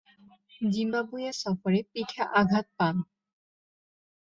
Zimbabwe সফরে পিঠে আঘাত পান।